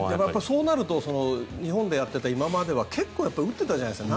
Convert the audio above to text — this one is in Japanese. そうなると日本でやってた今までは結構打ってたじゃないですか。